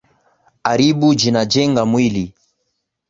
Haribu jina jenga mwili.